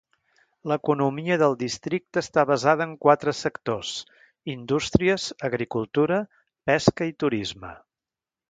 L'economia del districte està basada en quatre sectors: indústries, agricultura, pesca i turisme.